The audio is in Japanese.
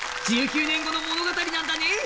１９年後の物語なんだね！